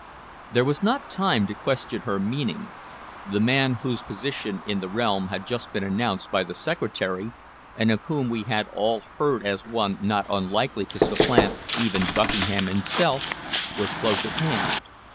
There was not time to question her meaning. The man whose position in the realm had just been announced by the Secretary, and of whom we had all heard as one not unlikely to supplant even Buckingham himself, was close at hand.